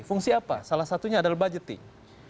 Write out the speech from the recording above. fungsi apa salah satunya adalah budgeting